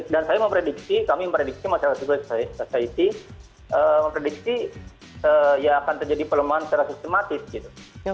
dan saya memprediksi kami memprediksi masalah seperti itu memprediksi ya akan terjadi pelemahan secara sistematis gitu